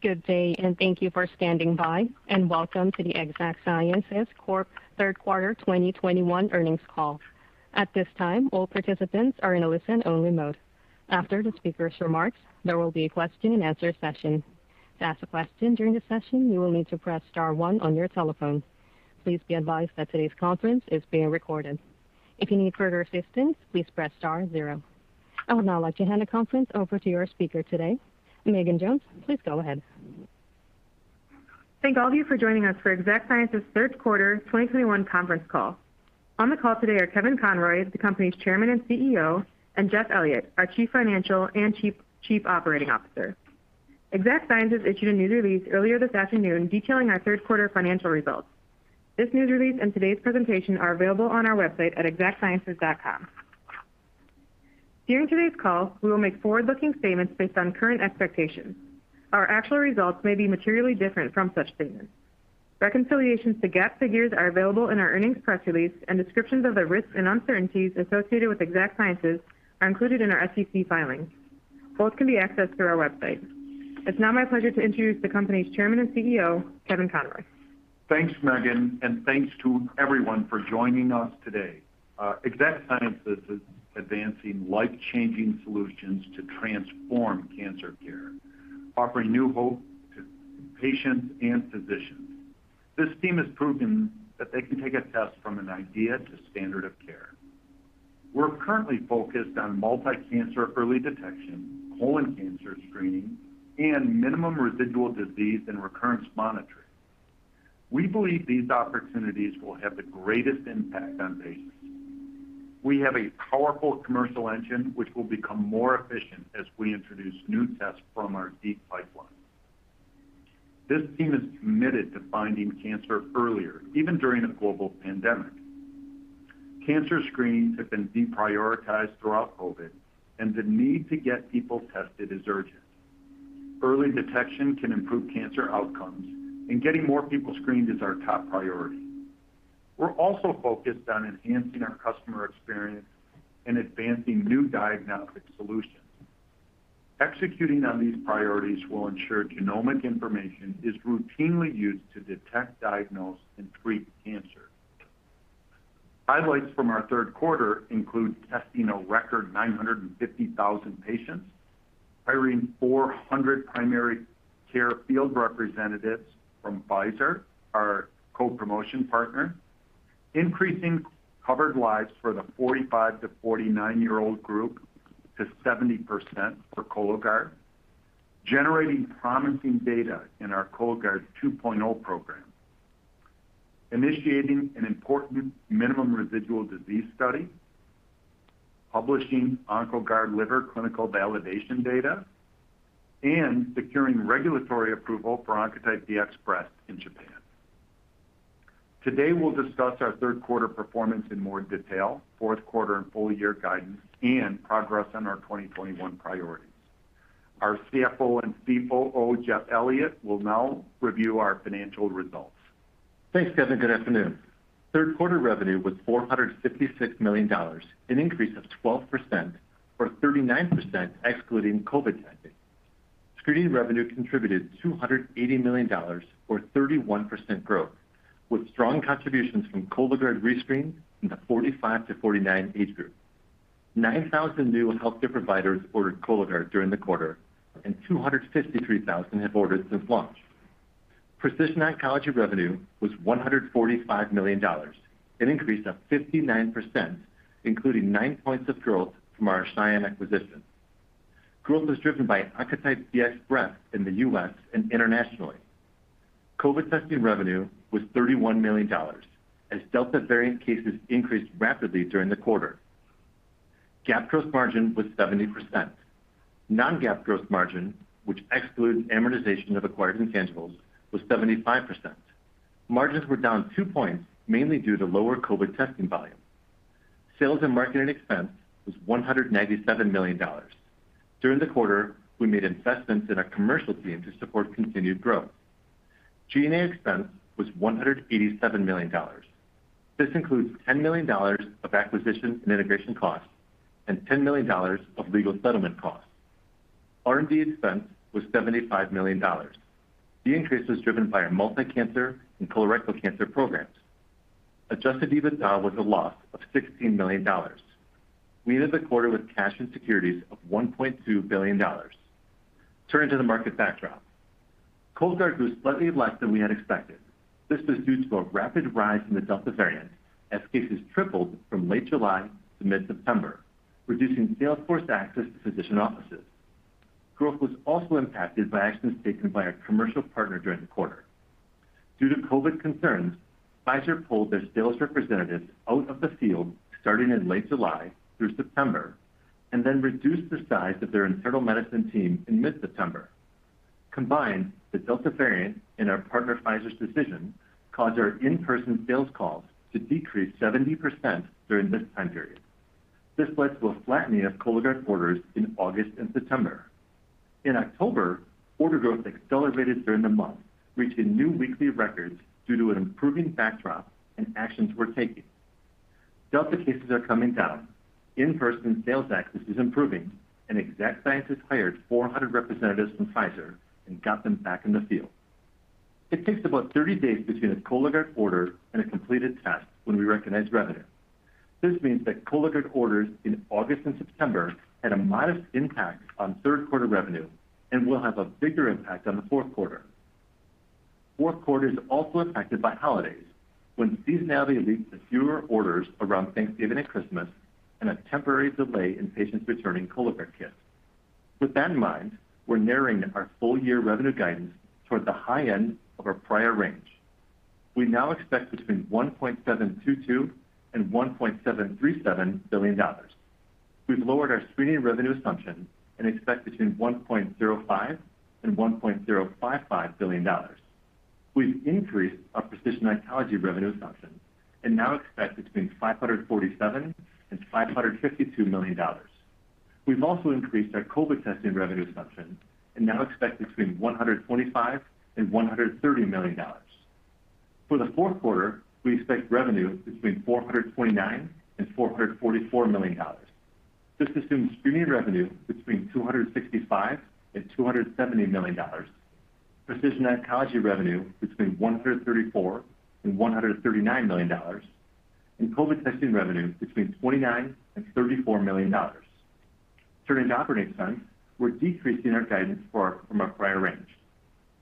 Good day, and thank you for standing by, and welcome to the Exact Sciences Corporation third quarter 2021 earnings call. At this time, all participants are in a listen-only mode. After the speaker's remarks, there will be a question-and-answer session. To ask a question during the session, you will need to press star one on your telephone. Please be advised that today's conference is being recorded. If you need further assistance, please press star zero. I would now like to hand the conference over to your speaker today. Megan Jones, please go ahead. Thank all of you for joining us for Exact Sciences' third quarter 2021 conference call. On the call today are Kevin Conroy, the company's Chairman and CEO, and Jeff Elliott, our Chief Financial and Chief Operating Officer. Exact Sciences issued a news release earlier this afternoon detailing our third quarter financial results. This news release and today's presentation are available on our website at exactsciences.com. During today's call, we will make forward-looking statements based on current expectations. Our actual results may be materially different from such statements. Reconciliations to GAAP figures are available in our earnings press release, and descriptions of the risks and uncertainties associated with Exact Sciences are included in our SEC filings. Both can be accessed through our website. It's now my pleasure to introduce the company's Chairman and CEO, Kevin Conroy. Thanks, Megan, and thanks to everyone for joining us today. Exact Sciences is advancing life-changing solutions to transform cancer care, offering new hope to patients and physicians. This team has proven that they can take a test from an idea to standard of care. We're currently focused on multi-cancer early detection, colon cancer screening, and minimal residual disease and recurrence monitoring. We believe these opportunities will have the greatest impact on patients. We have a powerful commercial engine which will become more efficient as we introduce new tests from our deep pipeline. This team is committed to finding cancer earlier, even during a global pandemic. Cancer screenings have been deprioritized throughout COVID, and the need to get people tested is urgent. Early detection can improve cancer outcomes, and getting more people screened is our top priority. We're also focused on enhancing our customer experience and advancing new diagnostic solutions. Executing on these priorities will ensure genomic information is routinely used to detect, diagnose, and treat cancer. Highlights from our third quarter include testing a record 950,000 patients, hiring 400 primary care field representatives from Pfizer, our co-promotion partner, increasing covered lives for the 45- to 49-year-old group to 70% for Cologuard, generating promising data in our Cologuard 2.0 program, initiating an important minimum residual disease study, publishing Oncoguard Liver clinical validation data, and securing regulatory approval for Oncotype DX Breast in Japan. Today, we'll discuss our third quarter performance in more detail, fourth quarter and full year guidance, and progress on our 2021 priorities. Our CFO and COO, Jeff Elliott, will now review our financial results. Thanks, Kevin. Good afternoon. Third quarter revenue was $456 million, an increase of 12% or 39% excluding COVID testing. Screening revenue contributed $280 million or 31% growth, with strong contributions from Cologuard rescreen in the 45-49 age group. 9,000 new healthcare providers ordered Cologuard during the quarter, and 253,000 have ordered since launch. Precision Oncology revenue was $145 million, an increase of 59%, including nine points of growth from our Cyan acquisition. Growth was driven by Oncotype DX Breast in the U.S. and internationally. COVID testing revenue was $31 million as Delta variant cases increased rapidly during the quarter. GAAP gross margin was 70%. Non-GAAP gross margin, which excludes amortization of acquired intangibles, was 75%. Margins were down two points, mainly due to lower COVID testing volume. Sales and marketing expense was $197 million. During the quarter, we made investments in our commercial team to support continued growth. G&A expense was $187 million. This includes $10 million of acquisition and integration costs and $10 million of legal settlement costs. R&D expense was $75 million. The increase was driven by our multi-cancer and colorectal cancer programs. Adjusted EBITDA was a loss of $16 million. We ended the quarter with cash and securities of $1.2 billion. Turning to the market backdrop. Cologuard grew slightly less than we had expected. This was due to a rapid rise in the Delta variant as cases tripled from late July to mid-September, reducing sales force access to physician offices. Growth was also impacted by actions taken by our commercial partner during the quarter. Due to COVID concerns, Pfizer pulled their sales representatives out of the field starting in late July through September and then reduced the size of their internal medicine team in mid-September. Combined, the Delta variant and our partner Pfizer's decision caused our in-person sales calls to decrease 70% during this time period. This led to a flattening of Cologuard orders in August and September. In October, order growth accelerated during the month, reaching new weekly records due to an improving backdrop and actions we're taking. Delta cases are coming down. In-person sales access is improving, and Exact Sciences hired 400 representatives from Pfizer and got them back in the field. It takes about 30 days between a Cologuard order and a completed test when we recognize revenue. This means that Cologuard orders in August and September had a modest impact on third quarter revenue and will have a bigger impact on the fourth quarter. Fourth quarter is also affected by holidays when seasonality leads to fewer orders around Thanksgiving and Christmas and a temporary delay in patients returning Cologuard kits. With that in mind, we're narrowing our full-year revenue guidance towards the high end of our prior range. We now expect between $1.722 billion and $1.737 billion. We've lowered our screening revenue assumption and expect between $1.05 billion and $1.055 billion. We've increased our precision oncology revenue assumption and now expect between $547 million and $552 million. We've also increased our COVID testing revenue assumption and now expect between $125 million and $130 million. For the fourth quarter, we expect revenue between $429 million-$444 million. This assumes screening revenue between $265 million-$270 million, precision oncology revenue between $134 million-$139 million, and COVID testing revenue between $29 million-$34 million. Turning to operating expense, we're decreasing our guidance from our prior range.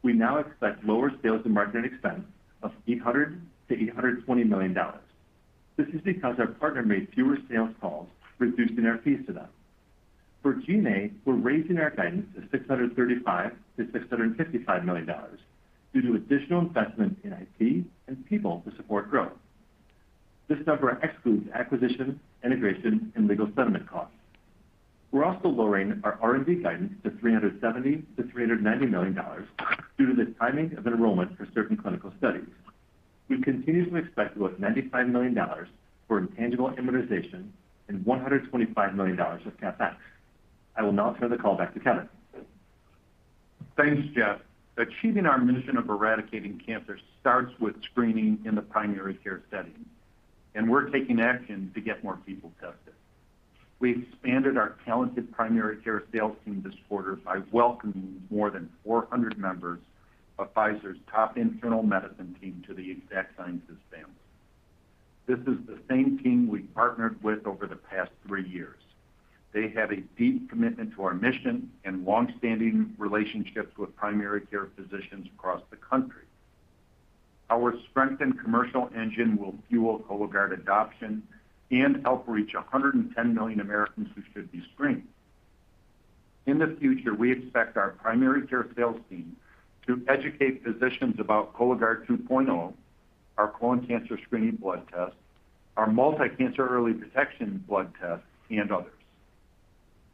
We now expect lower sales and marketing expense of $800 million-$820 million. This is because our partner made fewer sales calls, reducing our fees to them. For G&A, we're raising our guidance to $635 million-$655 million due to additional investment in IT and people to support growth. This number excludes acquisition, integration, and legal settlement costs. We're also lowering our R&D guidance to $370 million-$390 million due to the timing of enrollment for certain clinical studies. We continue to expect about $95 million for intangible amortization and $125 million of CapEx. I will now turn the call back to Kevin. Thanks, Jeff. Achieving our mission of eradicating cancer starts with screening in the primary care setting. We're taking action to get more people tested. We expanded our talented primary care sales team this quarter by welcoming more than 400 members of Pfizer's top internal medicine team to the Exact Sciences family. This is the same team we partnered with over the past three years. They have a deep commitment to our mission and long-standing relationships with primary care physicians across the country. Our strengthened commercial engine will fuel Cologuard adoption and help reach 110 million Americans who should be screened. In the future, we expect our primary care sales team to educate physicians about Cologuard 2.0, our colon cancer screening blood test, our multi-cancer early detection blood test, and others.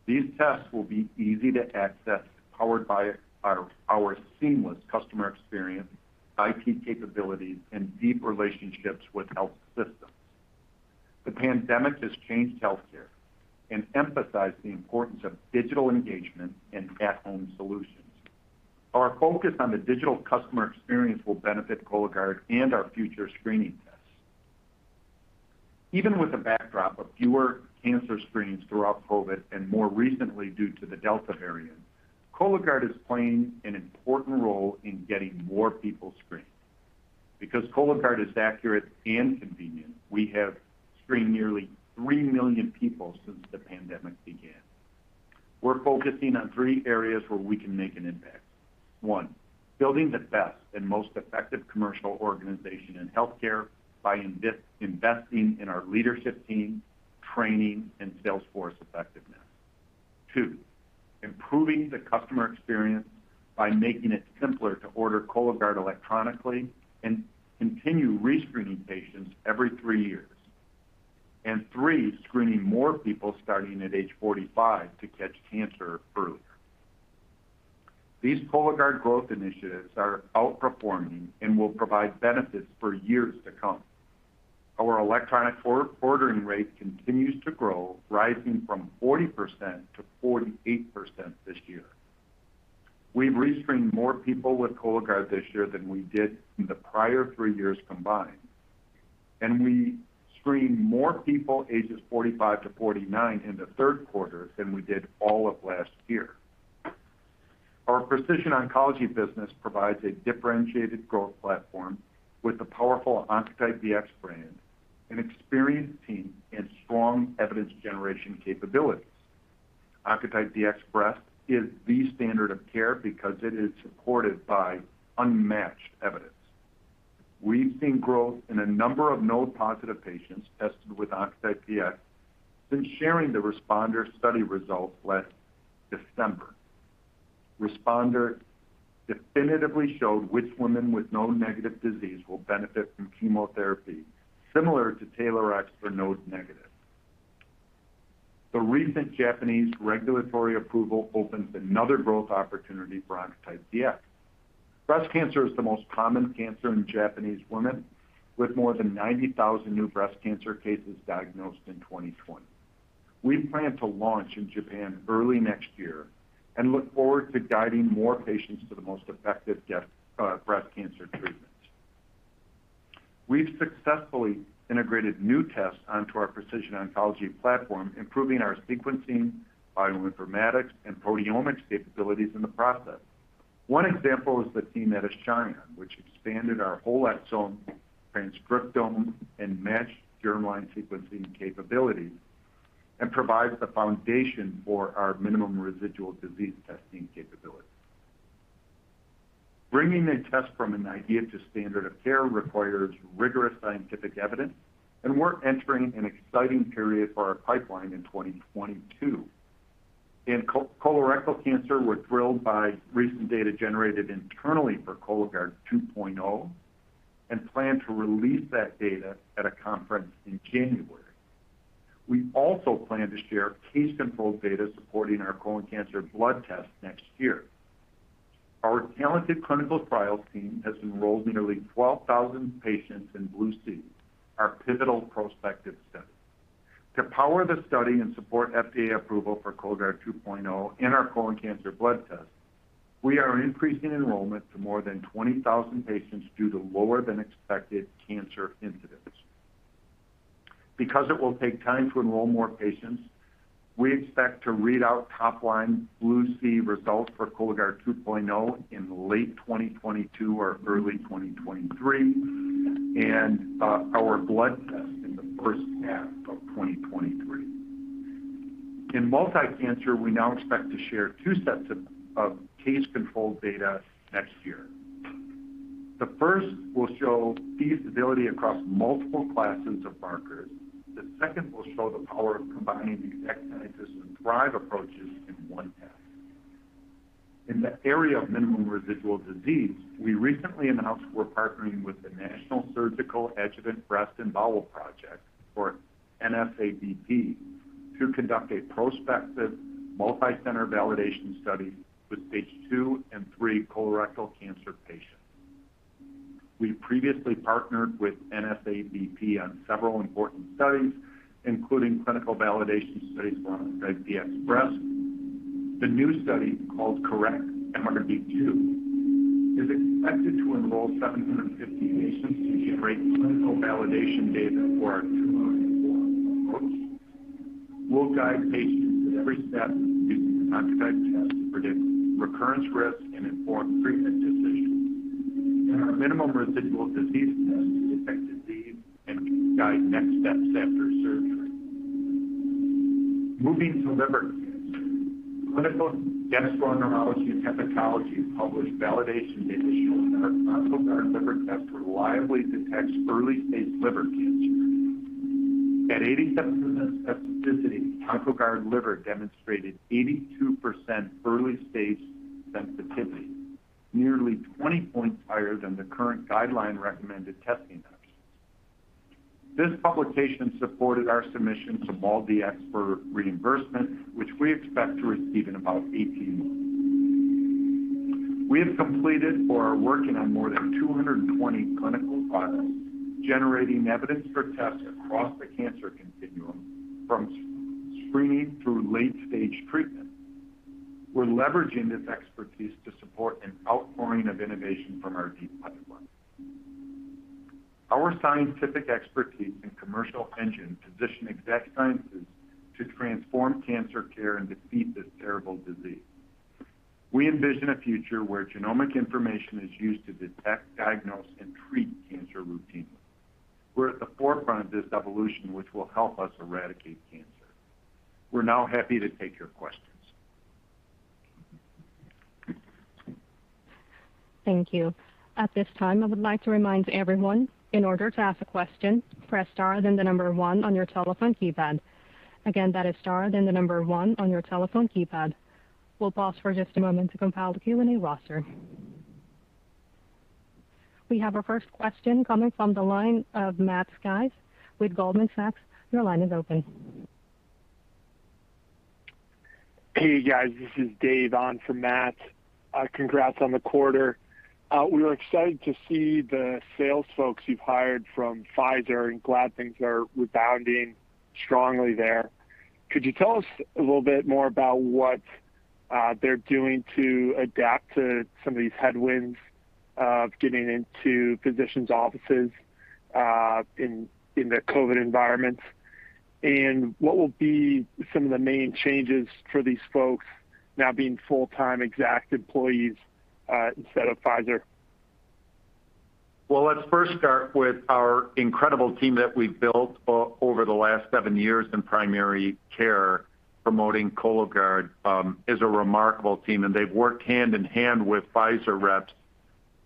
These tests will be easy to access, powered by our seamless customer experience, IT capabilities, and deep relationships with health systems. The pandemic has changed healthcare and emphasized the importance of digital engagement and at-home solutions. Our focus on the digital customer experience will benefit Cologuard and our future screening tests. Even with the backdrop of fewer cancer screenings throughout COVID, and more recently due to the Delta variant, Cologuard is playing an important role in getting more people screened. Because Cologuard is accurate and convenient, we have screened nearly 3,000,000 people since the pandemic began. We're focusing on three areas where we can make an impact. One, building the best and most effective commercial organization in healthcare by investing in our leadership team, training, and sales force effectiveness. Two, improving the customer experience by making it simpler to order Cologuard electronically and continue rescreening patients every three years. Three, screening more people starting at age 45 to catch cancer earlier. These Cologuard growth initiatives are outperforming and will provide benefits for years to come. Our electronic order ordering rate continues to grow, rising from 40% to 48% this year. We've rescreened more people with Cologuard this year than we did in the prior three years combined. We screened more people ages 45-49 in the third quarter than we did all of last year. Our precision oncology business provides a differentiated growth platform with the powerful Oncotype DX brand, an experienced team, and strong evidence generation capabilities. Oncotype DX Breast is the standard of care because it is supported by unmatched evidence. We've seen growth in a number of node-positive patients tested with Oncotype DX since sharing the RxPONDER study results last December. RxPONDER definitively showed which women with node-negative disease will benefit from chemotherapy, similar to TAILORx for node-negative. The recent Japanese regulatory approval opens another growth opportunity for Oncotype DX. Breast cancer is the most common cancer in Japanese women, with more than 90,000 new breast cancer cases diagnosed in 2020. We plan to launch in Japan early next year and look forward to guiding more patients to the most effective breast cancer treatment. We've successfully integrated new tests onto our precision oncology platform, improving our sequencing, bioinformatics, and proteomics capabilities in the process. One example is the team at Ashion, which expanded our whole exome, transcriptome, and matched germline sequencing capabilities and provides the foundation for our minimal residual disease testing capability. Bringing a test from an idea to standard of care requires rigorous scientific evidence, and we're entering an exciting period for our pipeline in 2022. In colorectal cancer, we're thrilled by recent data generated internally for Cologuard 2.0 and plan to release that data at a conference in January. We also plan to share case-controlled data supporting our colon cancer blood test next year. Our talented clinical trials team has enrolled nearly 12,000 patients in BLUE-C, our pivotal prospective study. To power the study and support FDA approval for Cologuard 2.0 and our colon cancer blood test, we are increasing enrollment to more than 20,000 patients due to lower than expected cancer incidence. Because it will take time to enroll more patients, we expect to read out top-line BLUE-C results for Cologuard 2.0 in late 2022 or early 2023 and our blood test in the H1 of 2023. In multi-cancer, we now expect to share two sets of case-control data next year. The first will show feasibility across multiple classes of markers. The second will show the power of combining the Exact Sciences and Thrive approaches in one test. In the area of minimum residual disease, we recently announced we're partnering with the National Surgical Adjuvant Breast and Bowel Project, or NSABP, to conduct a prospective multi-center validation study with stage II and III colorectal cancer patients. We previously partnered with NSABP on several important studies, including clinical validation studies for Oncotype DX Breast. The new study, called CORRECT-MRD II, is expected to enroll 750 patients to generate clinical validation data for our MRD approach. It will guide patients with every step using the Oncotype test to predict recurrence risk and inform treatment decisions. In our minimum residual disease test, it detects disease and guides next steps after surgery. Moving to liver cancer. Clinical Gastroenterology and Hepatology published validation data showing our Oncoguard Liver test reliably detects early-stage liver cancer. At 87% specificity, Oncoguard Liver demonstrated 82% early-stage sensitivity, nearly 20 points higher than the current guideline-recommended testing approach. This publication supported our submission to MolDX for reimbursement, which we expect to receive in about 18 months. We have completed or are working on more than 220 clinical trials, generating evidence for tests across the cancer continuum from screening through late-stage treatment. We're leveraging this expertise to support an outpouring of innovation from our deep pipeline. Our scientific expertise and commercial engine position Exact Sciences to transform cancer care and defeat this terrible disease. We envision a future where genomic information is used to detect, diagnose, and treat cancer routinely. We're at the forefront of this evolution, which will help us eradicate cancer. We're now happy to take your questions. Thank you. At this time, I would like to remind everyone, in order to ask a question, press star, then the number one on your telephone keypad. Again, that is star, then the number one on your telephone keypad. We'll pause for just a moment to compile the Q&A roster. We have our first question coming from the line of Matthew Sykes with Goldman Sachs. Your line is open. Hey, guys, this is Dave on for Matt. Congrats on the quarter. We were excited to see the sales folks you've hired from Pfizer and glad things are rebounding strongly there. Could you tell us a little bit more about what they're doing to adapt to some of these headwinds of getting into physicians' offices in the COVID environment? What will be some of the main changes for these folks now being full-time Exact employees instead of Pfizer? Well, let's first start with our incredible team that we've built over the last seven years in primary care promoting Cologuard is a remarkable team, and they've worked hand in hand with Pfizer reps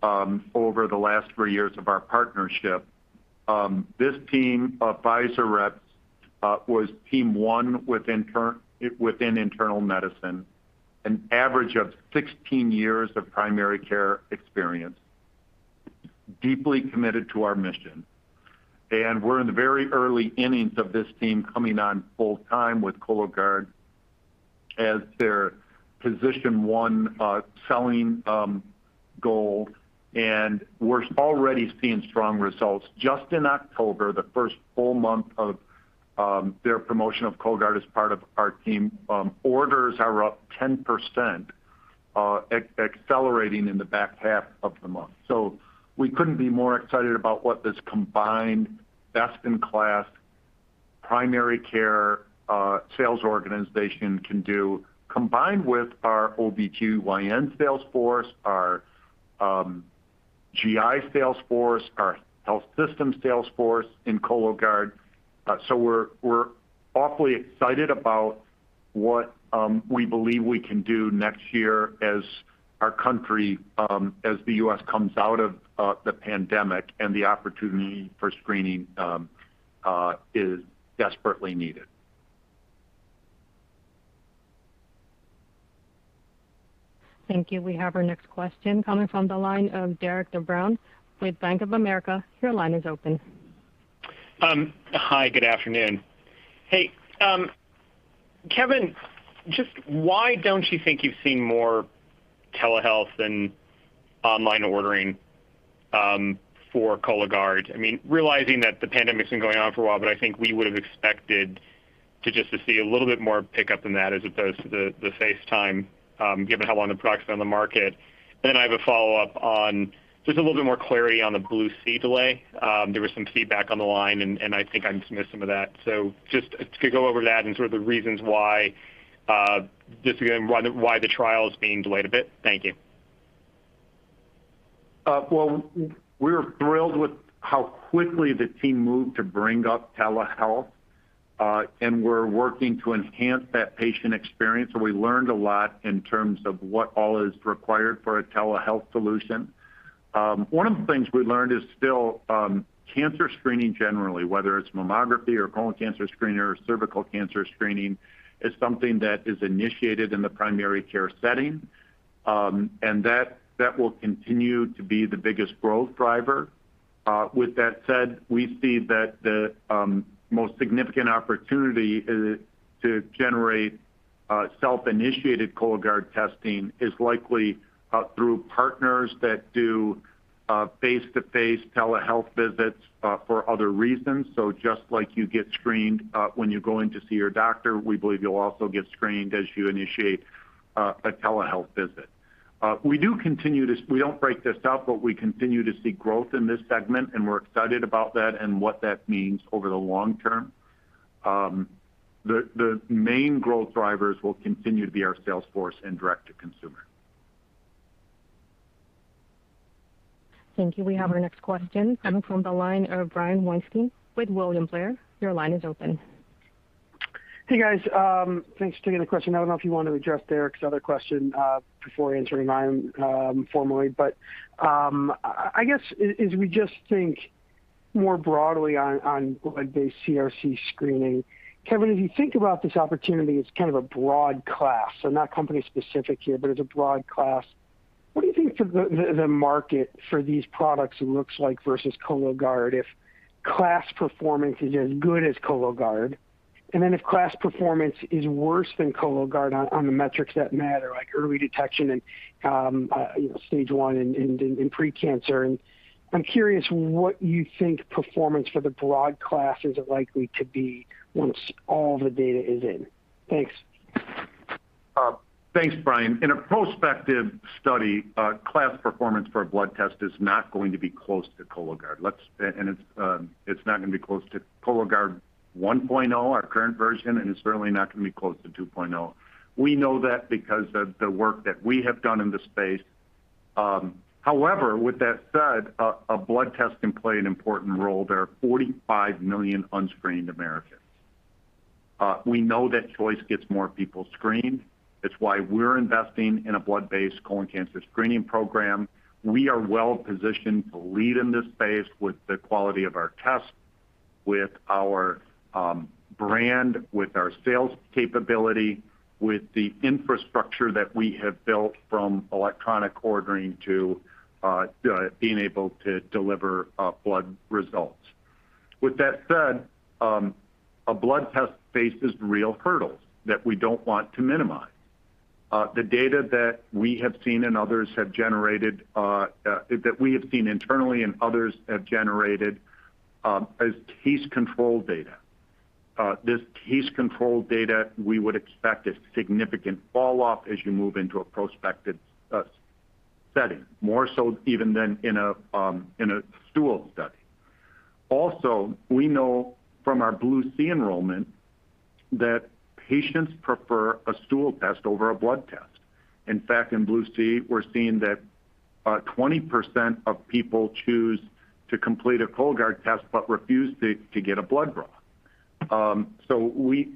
over the last three years of our partnership. This team of Pfizer reps was team one within internal medicine, an average of 16 years of primary care experience, deeply committed to our mission. We're in the very early innings of this team coming on full time with Cologuard as their position one selling goal. We're already seeing strong results. Just in October, the first full month of their promotion of Cologuard as part of our team, orders are up 10%, accelerating in the back half of the month. We couldn't be more excited about what this combined best-in-class primary care sales organization can do, combined with our OBGYN sales force, our GI sales force, our health system sales force in Cologuard. We're awfully excited about what we believe we can do next year as our country, as the U.S. comes out of the pandemic and the opportunity for screening is desperately needed. Thank you. We have our next question coming from the line of Derik De Bruin with Bank of America. Your line is open. Hi, good afternoon. Hey, Kevin, just why don't you think you've seen more telehealth than online ordering for Cologuard? I mean, realizing that the pandemic's been going on for a while, but I think we would have expected just to see a little bit more pickup in that as opposed to the face time, given how long the product's been on the market. I have a follow-up on just a little bit more clarity on the BLUE-C delay. There was some feedback on the line, and I think I missed some of that. Just to go over that and sort of the reasons why, just again, why the trial is being delayed a bit. Thank you. Well, we're thrilled with how quickly the team moved to bring up telehealth, and we're working to enhance that patient experience, and we learned a lot in terms of what all is required for a telehealth solution. One of the things we learned is still cancer screening, generally, whether it's mammography or colon cancer screening or cervical cancer screening, is something that is initiated in the primary care setting, and that will continue to be the biggest growth driver. With that said, we see that the most significant opportunity is to generate self-initiated Cologuard testing is likely through partners that do face-to-face telehealth visits for other reasons. Just like you get screened when you're going to see your doctor, we believe you'll also get screened as you initiate a telehealth visit. We don't break this out, but we continue to see growth in this segment, and we're excited about that and what that means over the long term. The main growth drivers will continue to be our sales force and direct-to-consumer. Thank you. We have our next question coming from the line of Brian Weinstein with William Blair. Your line is open. Hey, guys. Thanks for taking the question. I don't know if you want to address Derik's other question before answering mine formally. I guess as we just think more broadly on blood-based CRC screening, Kevin, as you think about this opportunity, it's kind of a broad class. So not company specific here, but as a broad class. What do you think the market for these products looks like versus Cologuard if class performance is as good as Cologuard? And then if class performance is worse than Cologuard on the metrics that matter, like early detection and you know, stage one and precancer. And I'm curious what you think performance for the broad class is likely to be once all the data is in. Thanks. Thanks, Brian. In a prospective study, class performance for a blood test is not going to be close to Cologuard. It's not going to be close to Cologuard 1.0, our current version, and it's certainly not going to be close to 2.0. We know that because of the work that we have done in the space. However, with that said, a blood test can play an important role. There are 45 million unscreened Americans. We know that choice gets more people screened. It's why we're investing in a blood-based colon cancer screening program. We are well-positioned to lead in this space with the quality of our test, with our brand, with our sales capability, with the infrastructure that we have built from electronic ordering to being able to deliver blood results. With that said, a blood test faces real hurdles that we don't want to minimize. The data that we have seen internally and others have generated is case control data. This case control data, we would expect a significant fall off as you move into a prospective setting, more so even than in a stool study. Also, we know from our BLUE-C enrollment that patients prefer a stool test over a blood test. In fact, in BLUE-C, we're seeing that 20% of people choose to complete a Cologuard test but refuse to get a blood draw.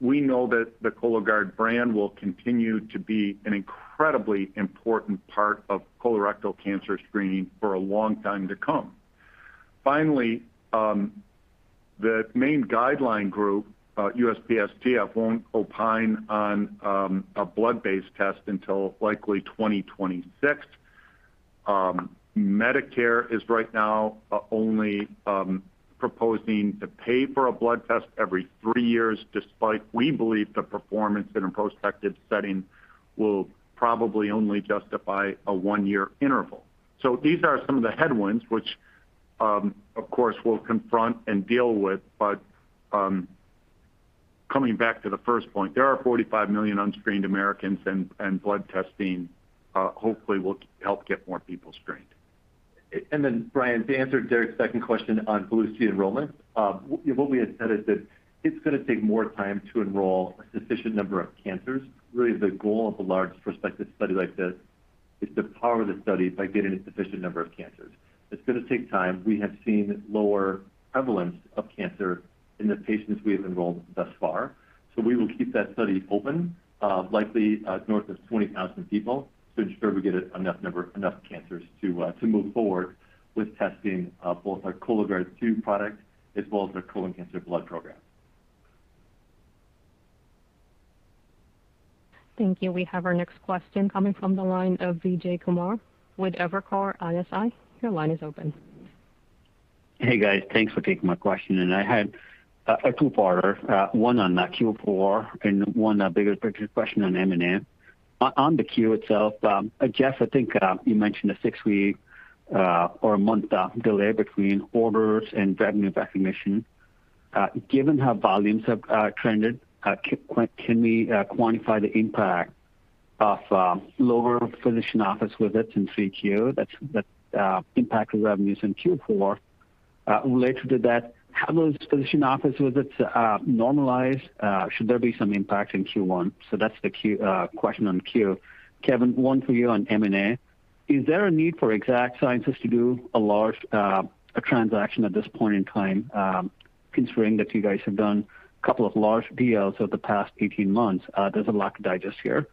We know that the Cologuard brand will continue to be an incredibly important part of colorectal cancer screening for a long time to come. Finally, the main guideline group, USPSTF, won't opine on a blood-based test until likely 2026. Medicare is right now only proposing to pay for a blood test every three years, despite we believe the performance in a prospective setting will probably only justify a one-year interval. These are some of the headwinds which, of course, we'll confront and deal with. Coming back to the first point, there are 45 million unscreened Americans and blood testing hopefully will help get more people screened. Brian, to answer Derik De Bruin's second question on BLUE-C enrollment. What we have said is that it's gonna take more time to enroll a sufficient number of cancers. Really the goal of a large prospective study like this is to power the study by getting a sufficient number of cancers. It's gonna take time. We have seen lower prevalence of cancer in the patients we have enrolled thus far. We will keep that study open, likely north of 20,000 people to ensure we get enough cancers to move forward with testing both our Cologuard 2.0 Product as well as our colon cancer blood program. Thank you. We have our next question coming from the line of Vijay Kumar with Evercore ISI. Your line is open. Hey, guys. Thanks for taking my question. I had a two-parter, one on Q4 and one bigger picture question on M&A. On the Q itself, Jeff, I think you mentioned a six-week or a month delay between orders and revenue recognition. Given how volumes have trended, can we quantify the impact of lower physician office visits in 3Q that's impacted revenues in Q4? Related to that, how those physician office visits are normalized, should there be some impact in Q1? That's the question on Q. Kevin, one for you on M&A. Is there a need for Exact Sciences to do a large transaction at this point in time, considering that you guys have done a couple of large deals over the past 18 months? There's a lot to digest here.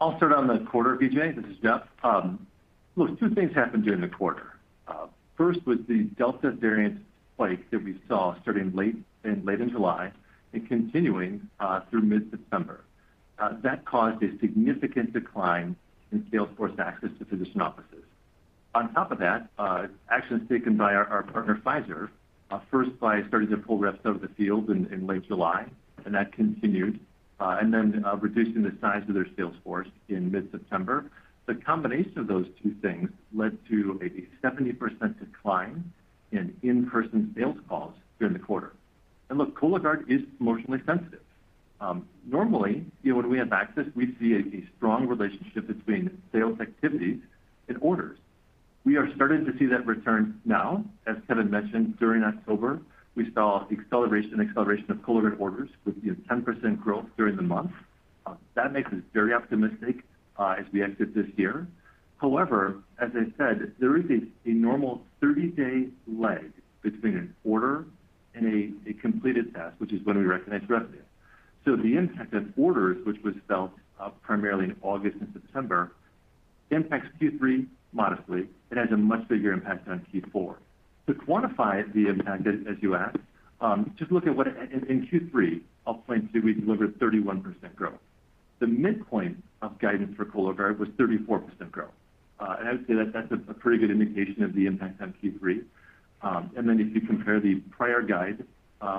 I'll start on the quarter, Vijay. This is Jeff. Look, two things happened during the quarter. First was the Delta variant spike that we saw starting late in July and continuing through mid-September. That caused a significant decline in sales force access to physician offices. On top of that, actions taken by our partner, Pfizer, first by starting to pull reps out of the field in late July, and that continued, and then reducing the size of their sales force in mid-September. The combination of those two things led to a 70% decline in in-person sales calls during the quarter. Look, Cologuard is emotionally sensitive. Normally, you know, when we have access, we see a strong relationship between sales activities and orders. We are starting to see that return now. As Kevin mentioned, during October, we saw acceleration of Cologuard orders with, you know, 10% growth during the month. That makes us very optimistic as we exit this year. However, as I said, there is a normal 30-day lag between an order and a completed test, which is when we recognize revenue. The impact on orders, which was felt primarily in August and September, impacts Q3 modestly. It has a much bigger impact on Q4. To quantify the impact, as you asked, just look at in Q3, I'll point to we delivered 31% growth. The midpoint of guidance for Cologuard was 34% growth. I would say that's a pretty good indication of the impact on Q3. If you compare the prior guide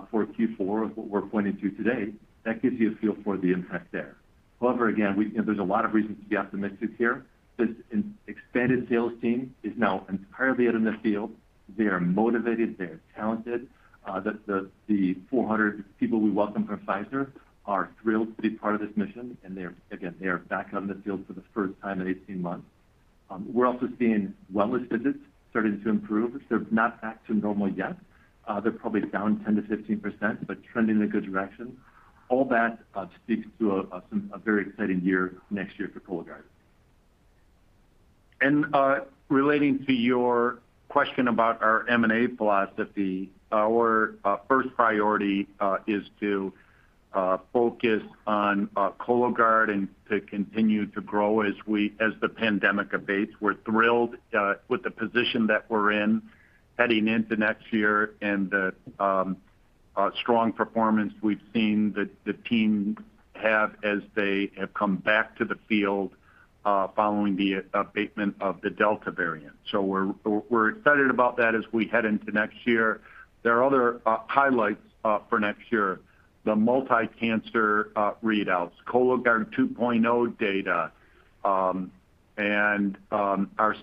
for Q4 of what we're pointing to today, that gives you a feel for the impact there. However, again, you know, there's a lot of reasons to be optimistic here. This expanded sales team is now entirely out in the field. They are motivated, they are talented. The 400 people we welcome from Pfizer are thrilled to be part of this mission, and they are, again, back out in the field for the first time in 18 months. We're also seeing wellness visits starting to improve. They're not back to normal yet. They're probably down 10% to 15%, but trending in a good direction. All that speaks to a very exciting year next year for Cologuard. Relating to your question about our M&A philosophy, our first priority is to focus on Cologuard and to continue to grow as the pandemic abates. We're thrilled with the position that we're in heading into next year and the strong performance we've seen the team have as they have come back to the field following the abatement of the Delta variant. We're excited about that as we head into next year. There are other highlights for next year. The multi-cancer readouts, Cologuard 2.0 data, and our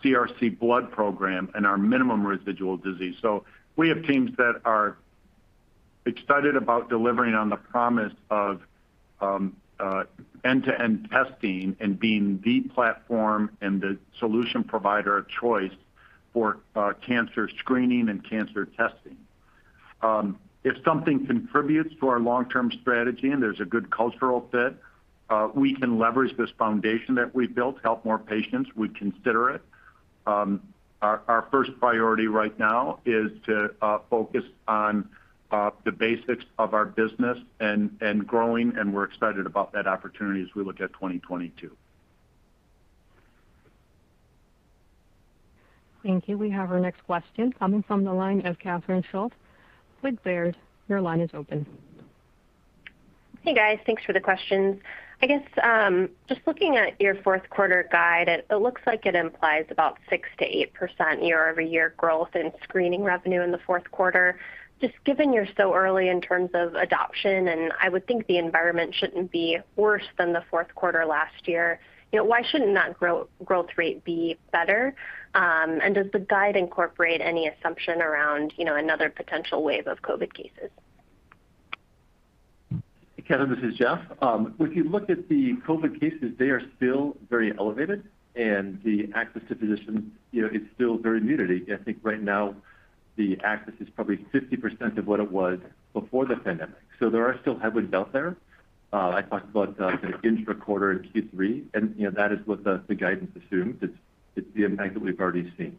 CRC blood program and our minimum residual disease. We have teams that are excited about delivering on the promise of end-to-end testing and being the platform and the solution provider of choice for cancer screening and cancer testing. If something contributes to our long-term strategy and there's a good cultural fit, we can leverage this foundation that we've built to help more patients, we'd consider it. Our first priority right now is to focus on the basics of our business and growing, and we're excited about that opportunity as we look at 2022. Thank you. We have our next question coming from the line of Catherine Schulte with Baird. Your line is open. Hey, guys. Thanks for the questions. I guess just looking at your fourth quarter guide, it looks like it implies about 6% to 8% year-over-year growth in screening revenue in the fourth quarter. Just given you're so early in terms of adoption, and I would think the environment shouldn't be worse than the fourth quarter last year, you know, why shouldn't that growth rate be better? And does the guide incorporate any assumption around, you know, another potential wave of COVID cases? Hey, Catherine, this is Jeff. If you look at the COVID cases, they are still very elevated and the access to physicians, you know, is still very limited. I think right now the access is probably 50% of what it was before the pandemic. There are still headwinds out there. I talked about, you know, intraquarter in Q3 and, you know, that is what the guidance assumes. It's the impact that we've already seen.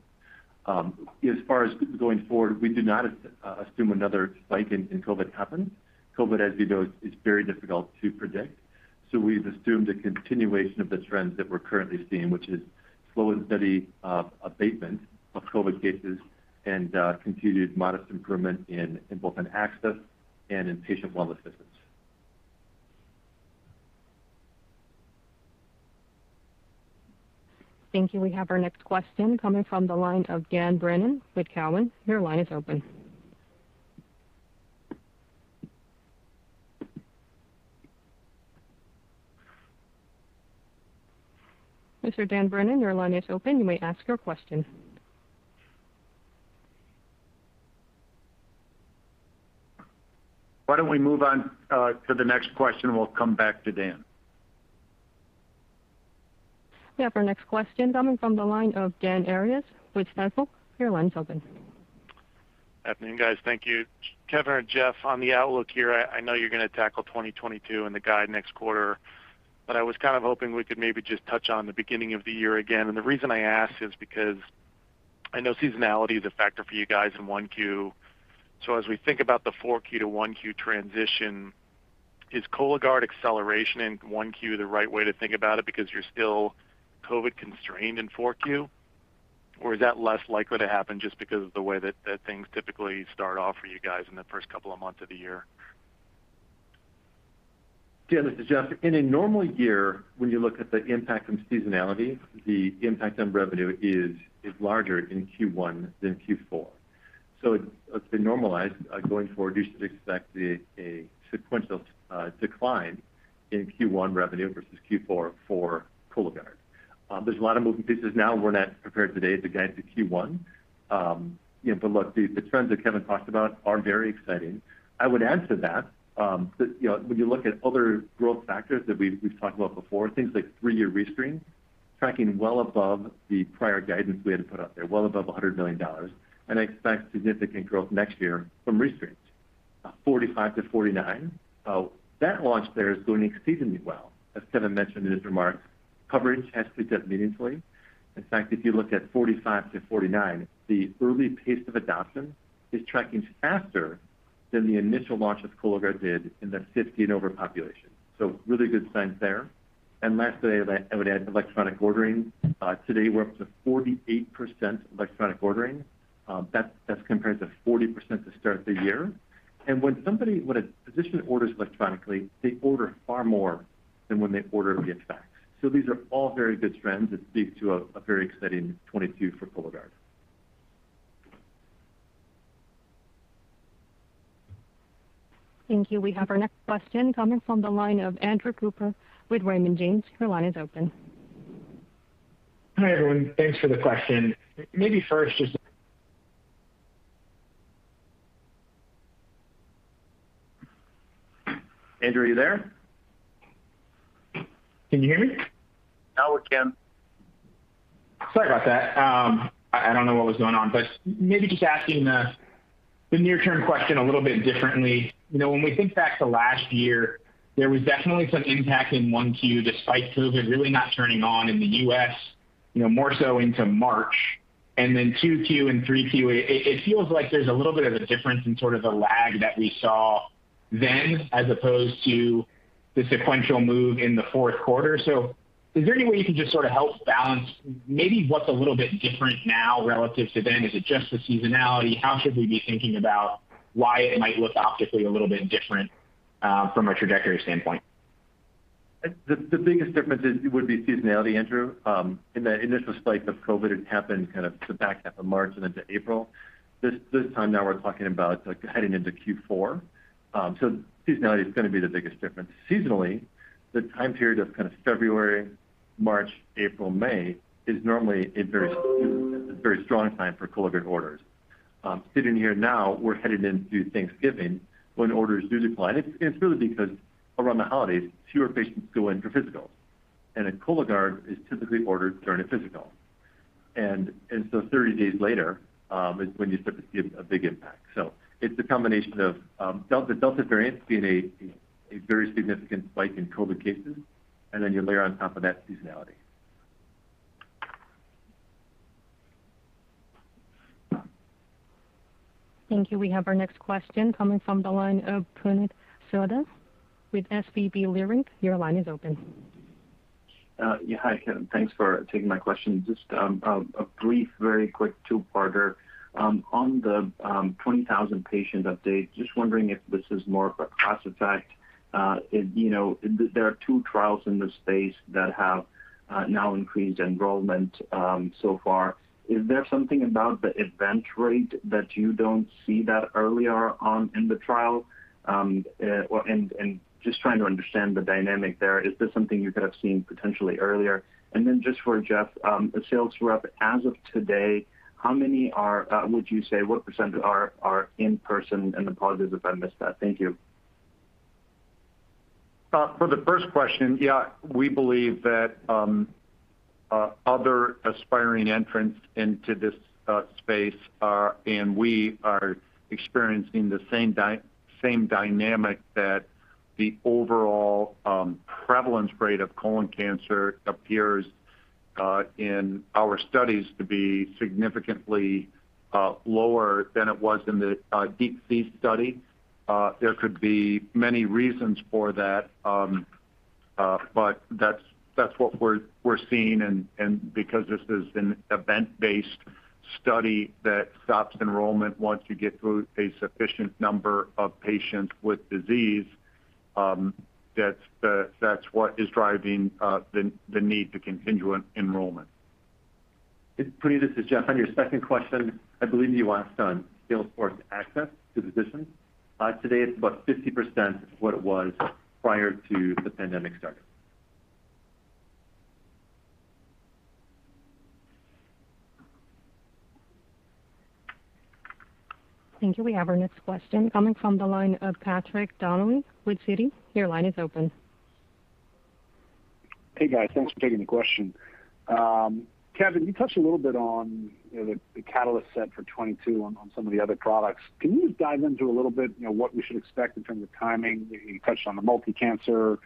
As far as going forward, we do not assume another spike in COVID to happen. COVID, as we know, is very difficult to predict, so we've assumed a continuation of the trends that we're currently seeing, which is slow and steady abatement of COVID cases and continued modest improvement in both access and in patient wellness visits. Thank you. We have our next question coming from the line of Dan Brennan with Cowen. Your line is open. Mr. Dan Brennan, your line is open. You may ask your question. Why don't we move on to the next question. We'll come back to Dan. We have our next question coming from the line of Dan Arias with Stifel. Your line's open. Afternoon, guys. Thank you. Kevin or Jeff, on the outlook here, I know you're gonna tackle 2022 and the guide next quarter, but I was kind of hoping we could maybe just touch on the beginning of the year again. The reason I ask is because I know seasonality is a factor for you guys in 1Q. So as we think about the 4Q to 1Q transition, is Cologuard acceleration in 1Q the right way to think about it because you're still COVID constrained in 4Q? Or is that less likely to happen just because of the way that things typically start off for you guys in the first couple of months of the year? Dan, this is Jeff. In a normal year, when you look at the impact from seasonality, the impact on revenue is larger in Q1 than Q4. So it's been normalized. Going forward, you should expect a sequential decline in Q1 revenue versus Q4 for Cologuard. There's a lot of moving pieces now, and we're not prepared today to guide to Q1. You know, but look, the trends that Kevin talked about are very exciting. I would add to that, you know, when you look at other growth factors that we've talked about before, things like three-year rescreen tracking well above the prior guidance we had to put out there, well above $100 million. I expect significant growth next year from rescreens. 45-49, that launch there is going exceedingly well. As Kevin mentioned in his remarks, coverage has picked up meaningfully. In fact, if you look at 45-49, the early pace of adoption is tracking faster than the initial launch of Cologuard did in the 50 and over population. Really good signs there. Lastly, I would add electronic ordering. Today we're up to 48% electronic ordering. That's compared to 40% to start the year. When a physician orders electronically, they order far more than when they order via fax. These are all very good trends that speak to a very exciting 2022 for Cologuard. Thank you. We have our next question coming from the line of Andrew Cooper with Raymond James. Your line is open. Hi, everyone. Thanks for the question. Maybe first just. Andrew, are you there? Can you hear me? Now we can. Sorry about that. I don't know what was going on. Maybe just asking the near-term question a little bit differently. You know, when we think back to last year, there was definitely some impact in 1Q, despite COVID really not turning on in the U.S., you know, more so into March. Then 2Q and 3Q, it feels like there's a little bit of a difference in sort of the lag that we saw then as opposed to the sequential move in the fourth quarter. Is there any way you can just sort of help balance maybe what's a little bit different now relative to then? Is it just the seasonality? How should we be thinking about why it might look optically a little bit different from a trajectory standpoint? The biggest difference would be seasonality, Andrew. In the initial spike of COVID, it happened kind of the back half of March and into April. This time now we're talking about heading into Q4. Seasonality is gonna be the biggest difference. Seasonally, the time period of kind of February, March, April, May is normally a very strong time for Cologuard orders. Sitting here now, we're headed into Thanksgiving when orders do decline. It's really because around the holidays, fewer patients go in for physicals, and a Cologuard is typically ordered during a physical. 30 days later is when you start to see a big impact. It's a combination of delta, the Delta variant seeing a very significant spike in COVID cases, and then you layer on top of that seasonality. Thank you. We have our next question coming from the line of Puneet Souda with SVB Leerink. Your line is open. Yeah, hi, Kevin. Thanks for taking my question. Just a brief, very quick two-parter. On the 20,000 patient update, just wondering if this is more of a class effect. If you know, there are two trials in this space that have now increased enrollment so far. Is there something about the event rate that you don't see that earlier on in the trial? Or and just trying to understand the dynamic there. Is this something you could have seen potentially earlier? Just for Jeff, the sales rep, as of today, how many would you say, what percentage are in-person and apologies if I missed that? Thank you. For the first question, yeah, we believe that other aspiring entrants into this space are, and we are experiencing the same dynamic that the overall prevalence rate of colon cancer appears in our studies to be significantly lower than it was in the DeeP-C study. There could be many reasons for that, but that's what we're seeing and because this is an event-based study that stops enrollment once you get through a sufficient number of patients with disease, that's what is driving the need to continue enrollment. Puneet, this is Jeff. On your second question, I believe you asked on sales force access to physicians. Today it's about 50% of what it was prior to the pandemic started. Thank you. We have our next question coming from the line of Patrick Donnelly with Citi. Your line is open. Hey, guys. Thanks for taking the question. Kevin, you touched a little bit on, you know, the catalyst set for 2022 on some of the other products. Can you just dive into a little bit, you know, what we should expect in terms of timing? You touched on the multi-cancer.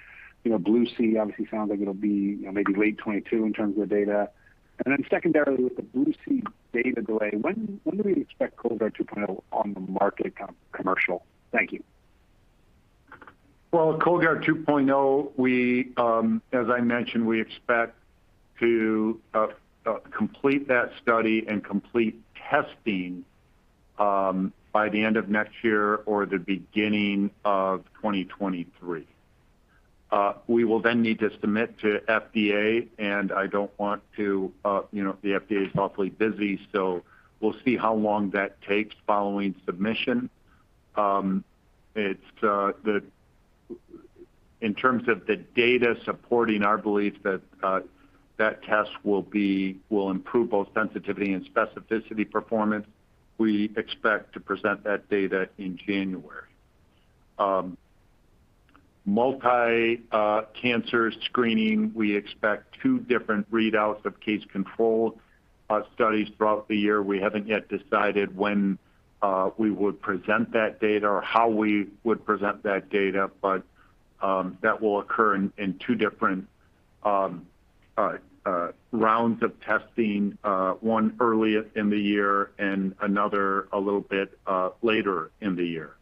You know, BLUE-C obviously sounds like it'll be, you know, maybe late 2022 in terms of the data. Secondarily, with the BLUE-C data delay, when do we expect Cologuard 2.0 on the market, commercial? Thank you. Well, Cologuard 2.0, as I mentioned, we expect to complete that study and complete testing by the end of next year or the beginning of 2023. We will then need to submit to FDA, and I don't want to, you know, the FDA is awfully busy, so we'll see how long that takes following submission. In terms of the data supporting our belief that that test will improve both sensitivity and specificity performance, we expect to present that data in January. Multi-cancer screening, we expect two different readouts of case-controlled studies throughout the year. We haven't yet decided when we would present that data or how we would present that data, but that will occur in two different rounds of testing, one earlier in the year and another a little bit later in the year.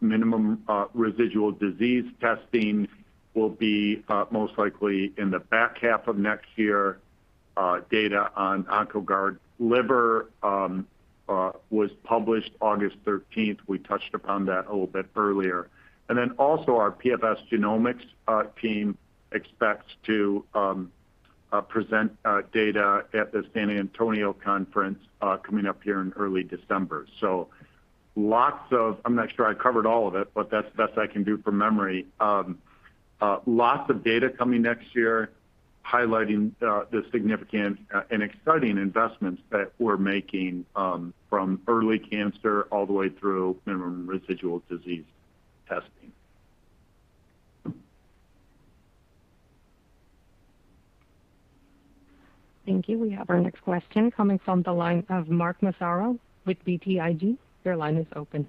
Minimum residual disease testing will be most likely in the back half of next year. Data on Oncoguard Liver was published August 13. We touched upon that a little bit earlier. Then also our PFS genomics team expects to present data at the San Antonio conference coming up here in early December. I'm not sure I covered all of it, but that's the best I can do from memory. Lots of data coming next year highlighting the significant and exciting investments that we're making from early cancer all the way through minimum residual disease testing. Thank you. We have our next question coming from the line of Mark Massaro with BTIG. Your line is open.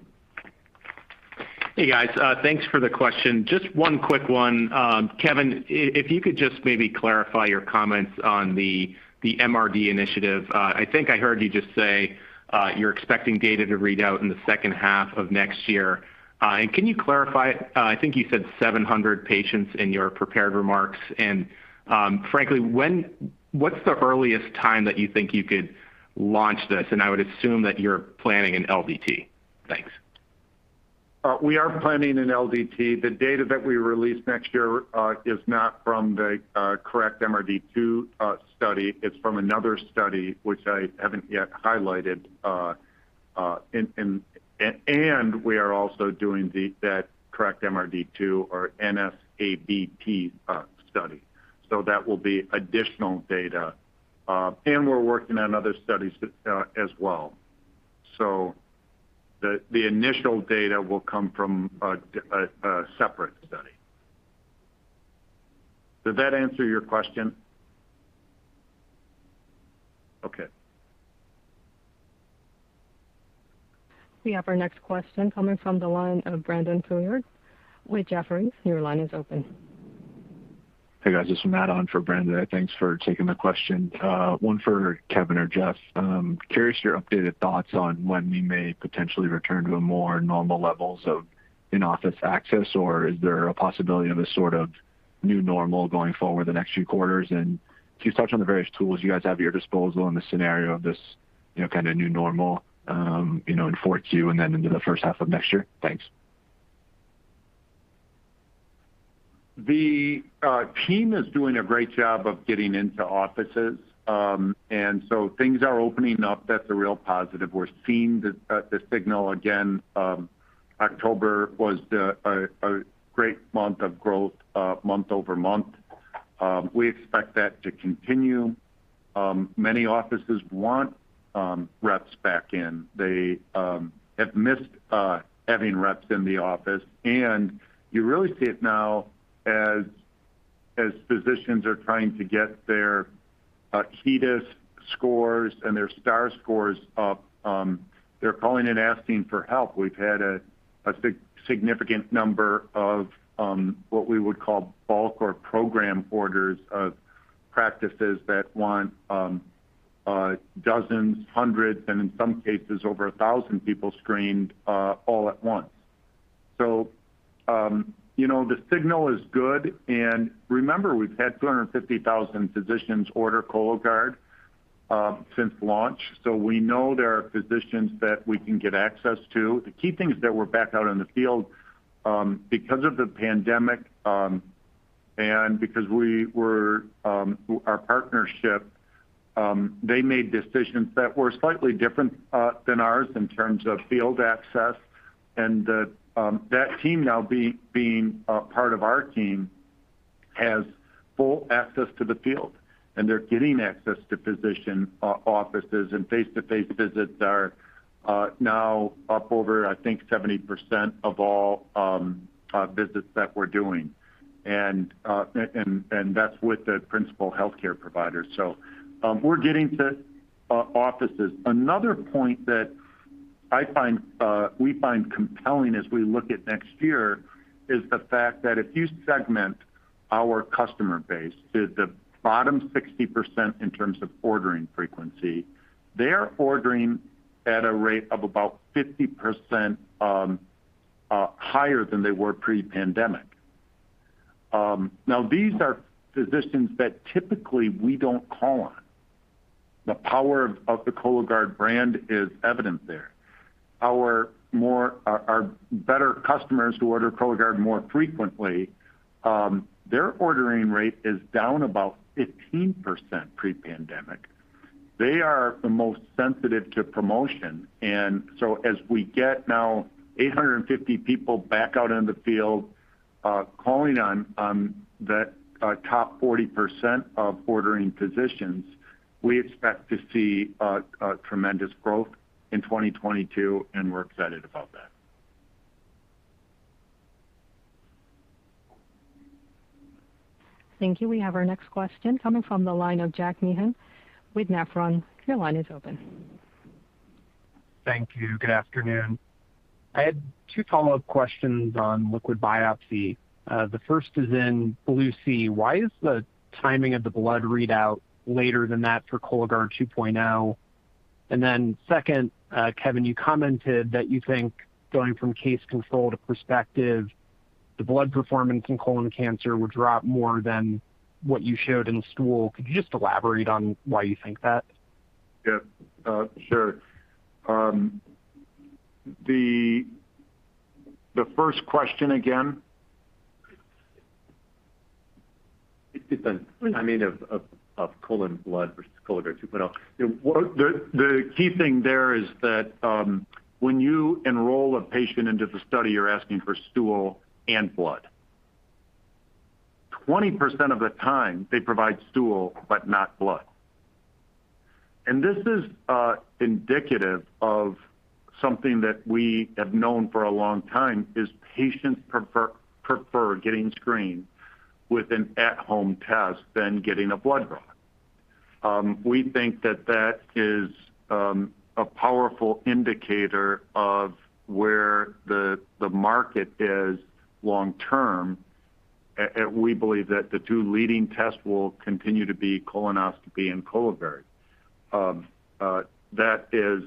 Hey, guys. Thanks for the question. Just one quick one. Kevin, if you could just maybe clarify your comments on the MRD initiative. I think I heard you just say you're expecting data to read out in the H2 of next year. Can you clarify? I think you said 700 patients in your prepared remarks. Frankly, what's the earliest time that you think you could launch this? I would assume that you're planning an LDT. Thanks. We are planning an LDT. The data that we release next year is not from the CORRECT-MRD II study. It's from another study which I haven't yet highlighted. We are also doing the CORRECT-MRD II or NSABP study. That will be additional data. We're working on other studies as well. The initial data will come from a separate study. Does that answer your question? Okay. We have our next question coming from the line of Brandon Couillard with Jefferies. Your line is open. Hey guys, this is Matt on for Brandon. Thanks for taking the question. One for Kevin or Jeff. I'm curious about your updated thoughts on when we may potentially return to a more normal levels of in-office access, or is there a possibility of a sort of new normal going forward the next few quarters? Can you touch on the various tools you guys have at your disposal in the scenario of this, you know, kind of new normal, you know, in 4Q and then into the H1 of next year? Thanks. The team is doing a great job of getting into offices. Things are opening up. That's a real positive. We're seeing the signal again. October was a great month of growth month-over-month. We expect that to continue. Many offices want reps back in. They have missed having reps in the office. You really see it now as physicians are trying to get their HEDIS scores and their STAR scores up. They're calling and asking for help. We've had a significant number of what we would call bulk or program orders of practices that want dozens, hundreds, and in some cases over a thousand people screened all at once. You know, the signal is good. Remember, we've had 250,000 physicians order Cologuard since launch. We know there are physicians that we can get access to. The key thing is that we're back out in the field because of the pandemic and because of our partnership they made decisions that were slightly different than ours in terms of field access. That team now being a part of our team has full access to the field, and they're getting access to physician offices. Face-to-face visits are now up over, I think, 70% of all visits that we're doing. That's with the principal healthcare provider. We're getting to offices. Another point that we find compelling as we look at next year is the fact that if you segment our customer base to the bottom 60% in terms of ordering frequency, they are ordering at a rate of about 50% higher than they were pre-pandemic. Now these are physicians that typically we don't call on. The power of the Cologuard brand is evident there. Our better customers who order Cologuard more frequently, their ordering rate is down about 15% pre-pandemic. They are the most sensitive to promotion. As we get now 850 people back out in the field, calling on the top 40% of ordering physicians, we expect to see a tremendous growth in 2022, and we're excited about that. Thank you. We have our next question coming from the line of Jack Meehan with Nephron. Your line is open. Thank you. Good afternoon. I had two follow-up questions on liquid biopsy. The first is in BLUE-C. Why is the timing of the blood readout later than that for Cologuard 2.0? The second, Kevin, you commented that you think going from case-control to prospective, the blood performance in colon cancer would drop more than what you showed in stool. Could you just elaborate on why you think that? Yeah, sure. The first question again. It's the timing of colon blood versus Cologuard 2.0. The key thing there is that when you enroll a patient into the study, you're asking for stool and blood. 20% of the time, they provide stool, but not blood. This is indicative of something that we have known for a long time, is patients prefer getting screened with an at-home test than getting a blood draw. We think that is a powerful indicator of where the market is long-term. We believe that the two leading tests will continue to be colonoscopy and Cologuard. That is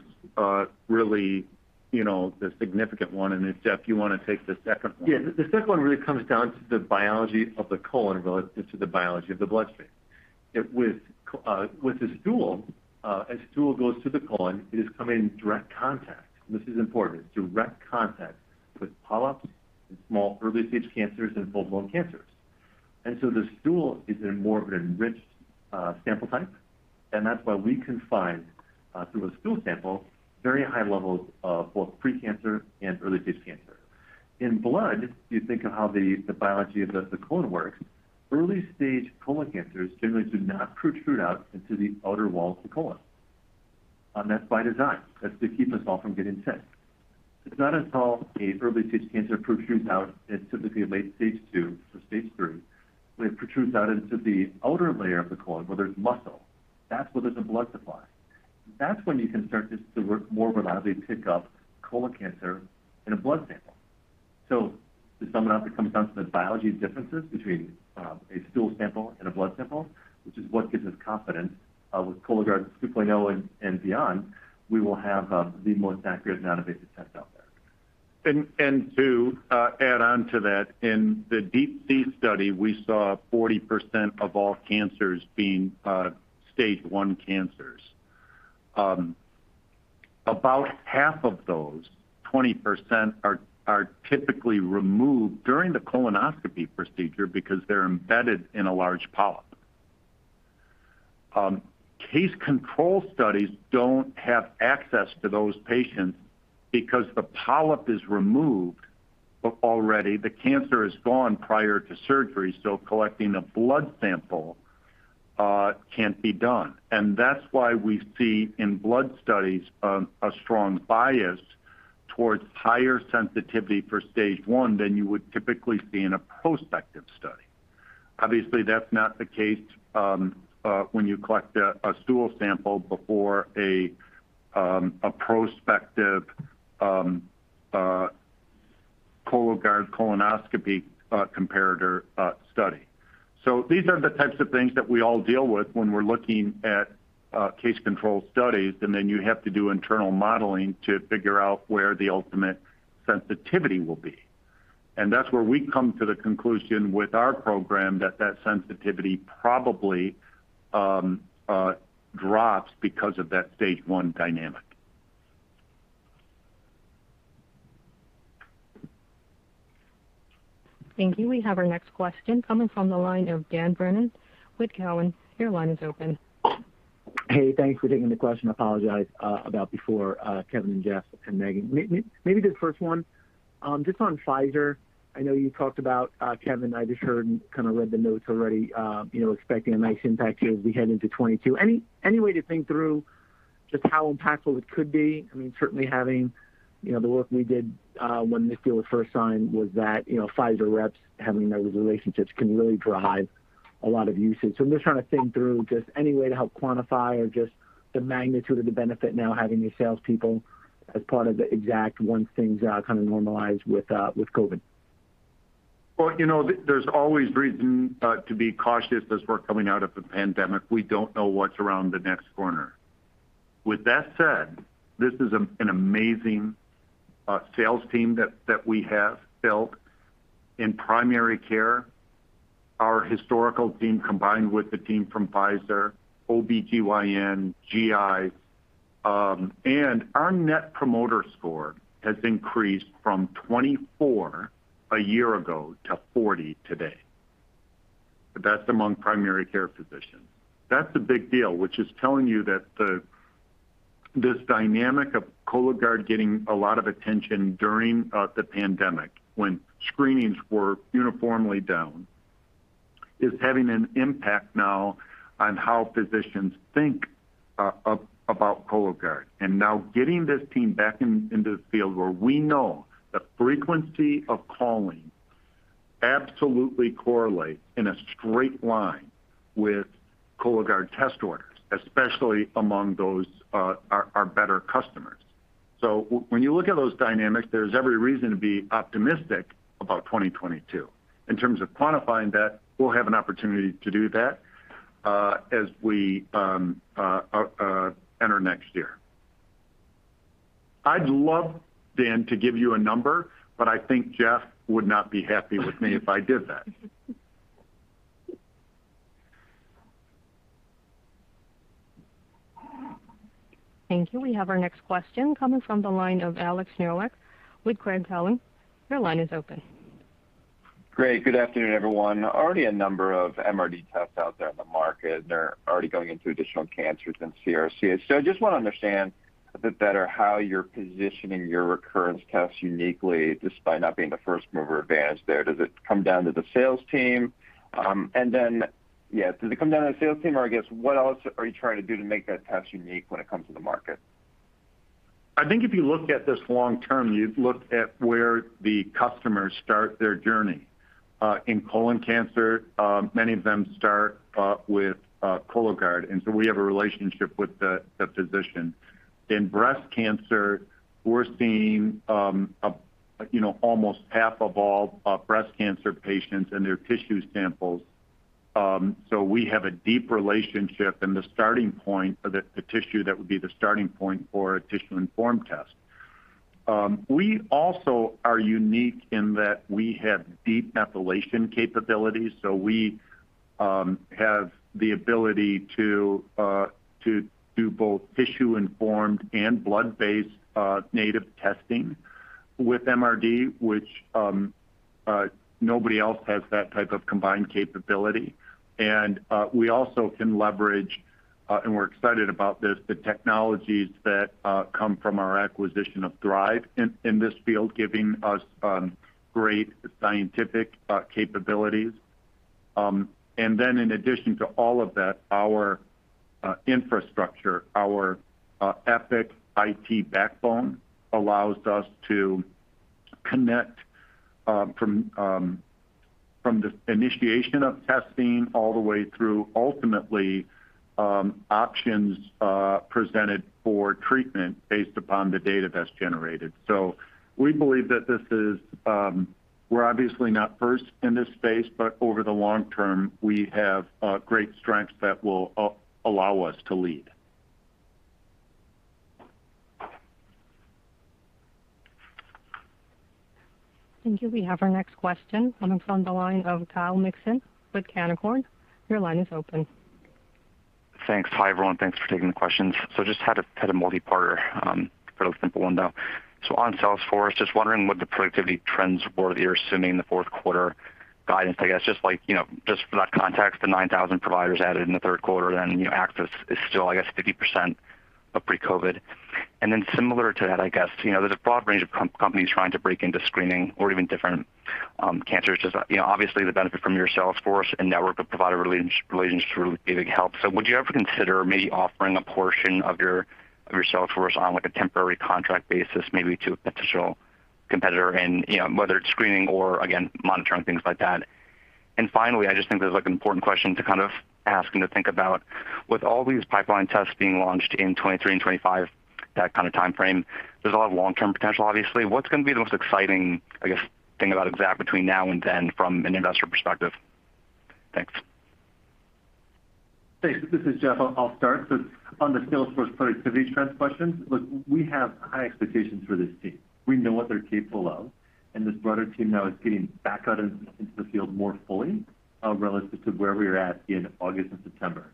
really, you know, the significant one. If, Jeff, you wanna take the second one. Yeah. The second one really comes down to the biology of the colon relative to the biology of the bloodstream. With the stool, as stool goes through the colon, it is coming in direct contact, this is important, direct contact with polyps and small early-stage cancers and full-blown cancers. The stool is in more of an enriched sample type, and that's why we can find through a stool sample, very high levels of both pre-cancer and early-stage cancer. In blood, you think of how the biology of the colon works. Early-stage colon cancers generally do not protrude out into the outer wall of the colon. That's by design. That's to keep us all from getting sick. It's not until an early-stage cancer protrudes out, it's typically late stage II to stage III, when it protrudes out into the outer layer of the colon, where there's muscle, that's where there's a blood supply. That's when you can start to more reliably pick up colon cancer in a blood sample. To sum it up, it comes down to the biology differences between a stool sample and a blood sample, which is what gives us confidence with Cologuard 2.0 and beyond, we will have the most accurate noninvasive test out there. To add on to that, in the DeeP-C study, we saw 40% of all cancers being stage one cancers. About half of those, 20%, are typically removed during the colonoscopy procedure because they're embedded in a large polyp. Case-control studies don't have access to those patients because the polyp is removed already. The cancer is gone prior to surgery, so collecting a blood sample can't be done. That's why we see in blood studies a strong bias towards higher sensitivity for stage one than you would typically see in a prospective study. Obviously, that's not the case when you collect a stool sample before a prospective Cologuard colonoscopy comparator study. These are the types of things that we all deal with when we're looking at case control studies, and then you have to do internal modeling to figure out where the ultimate sensitivity will be. That's where we come to the conclusion with our program that sensitivity probably drops because of that stage one dynamic. Thank you. We have our next question coming from the line of Dan Brennan with Cowen. Your line is open. Hey, thanks for taking the question. I apologize about before, Kevin, Jeff, and Megan. Maybe the first one, just on Pfizer. I know you talked about, Kevin, I just heard and kind of read the notes already, you know, expecting a nice impact here as we head into 2022. Any way to think through just how impactful it could be? I mean, certainly having, you know, the work we did when the deal was first signed was that, you know, Pfizer reps having those relationships can really drive a lot of usage. So I'm just trying to think through just any way to help quantify or just the magnitude of the benefit now having these salespeople as part of the Exact Sciences once things are kind of normalized with COVID. Well, you know, there's always reason to be cautious as we're coming out of the pandemic. We don't know what's around the next corner. With that said, this is an amazing sales team that we have built in primary care. Our historical team combined with the team from Pfizer, OBGYN, GI, and our net promoter score has increased from 24 a year ago to 40 today. That's among primary care physicians. That's a big deal, which is telling you that this dynamic of Cologuard getting a lot of attention during the pandemic when screenings were uniformly down is having an impact now on how physicians think about Cologuard. Now getting this team back into the field where we know the frequency of calling absolutely correlates in a straight line with Cologuard test orders, especially among those our better customers. When you look at those dynamics, there's every reason to be optimistic about 2022. In terms of quantifying that, we'll have an opportunity to do that, as we enter next year. I'd love, Dan, to give you a number, but I think Jeff would not be happy with me if I did that. Thank you. We have our next question coming from the line of Alex Nowak with Craig-Hallum. Your line is open. Great. Good afternoon, everyone. Already a number of MRD tests out there in the market, and they're already going into additional cancers than CRC. I just want to understand a bit better how you're positioning your recurrence tests uniquely, despite not being the first-mover advantage there. Does it come down to the sales team, or I guess what else are you trying to do to make that test unique when it comes to the market? I think if you look at this long term, you look at where the customers start their journey. In colon cancer, many of them start with Cologuard, and so we have a relationship with the physician. In breast cancer, we're seeing, you know, almost half of all breast cancer patients and their tissue samples. So we have a deep relationship and the starting point of the tissue that would be the starting point for a tissue-informed test. We also are unique in that we have deep methylation capabilities, so we have the ability to do both tissue-informed and blood-based native testing with MRD, which nobody else has that type of combined capability. We also can leverage and we're excited about this, the technologies that come from our acquisition of Thrive in this field, giving us great scientific capabilities. Then in addition to all of that, our infrastructure, our Epic IT backbone allows us to connect from. From the initiation of testing all the way through ultimately, options presented for treatment based upon the data that's generated. We believe that this is, we're obviously not first in this space, but over the long term, we have great strengths that will allow us to lead. Thank you. We have our next question coming from the line of Kyle Mikson with Canaccord. Your line is open. Thanks. Hi, everyone. Thanks for taking the questions. Just had a multi-parter, fairly simple one, though. On sales force, just wondering what the productivity trends were that you're assuming in the fourth quarter guidance. I guess just like, you know, just for that context, the 9,000 providers added in the third quarter, then, you know, access is still, I guess, 50% of pre-COVID. Similar to that, I guess, you know, there's a broad range of companies trying to break into screening or even different cancers. Just, you know, obviously the benefit from your sales force and network of provider relations through giving help. Would you ever consider maybe offering a portion of your sales force on, like, a temporary contract basis maybe to a potential competitor and, you know, whether it's screening or again, monitoring, things like that. Finally, I just think this is, like, an important question to kind of ask and to think about. With all these pipeline tests being launched in 2023 and 2025, that kind of timeframe, there's a lot of long-term potential obviously. What's gonna be the most exciting, I guess, thing about Exact between now and then from an investor perspective? Thanks. Thanks. This is Jeff. I'll start. On the sales force productivity trends question, look, we have high expectations for this team. We know what they're capable of, and this broader team now is getting back out into the field more fully relative to where we were at in August and September.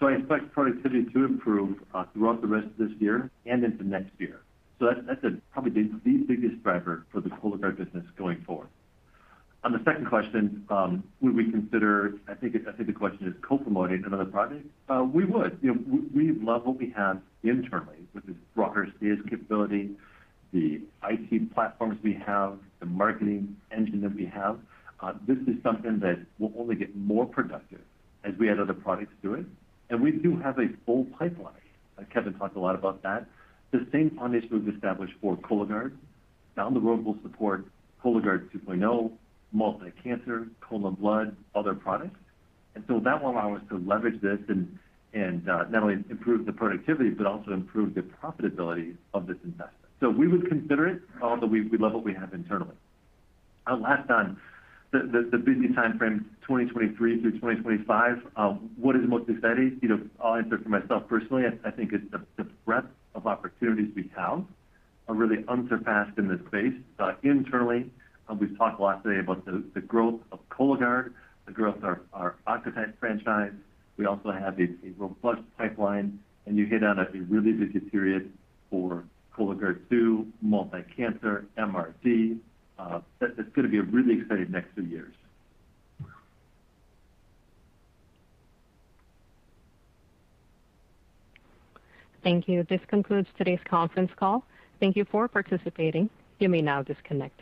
I expect productivity to improve throughout the rest of this year and into next year. That's probably the biggest driver for the Cologuard business going forward. On the second question, I think the question is co-promoting another product. We would. You know, we love what we have internally with this broader sales capability, the IT platforms we have, the marketing engine that we have. This is something that will only get more productive as we add other products to it. We do have a full pipeline. Kevin talked a lot about that. The same foundation we've established for Cologuard down the road will support Cologuard 2.0, multi-cancer, colon blood, other products. That will allow us to leverage this and not only improve the productivity but also improve the profitability of this investment. We would consider it. We love what we have internally. Last on the busy timeframe, 2023 through 2025, what is most exciting? You know, I'll answer for myself personally. I think it's the breadth of opportunities we have are really unsurpassed in this space. Internally, we've talked a lot today about the growth of Cologuard, the growth of our Oncotype franchise. We also have a robust pipeline, and you hit on a really busy period for Cologuard 2.0, multi-cancer, MRD. It's gonna be a really exciting next few years. Thank you. This concludes today's conference call. Thank you for participating. You may now disconnect.